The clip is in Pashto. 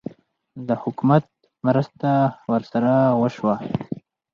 د حکومت مرسته ورسره وشوه؟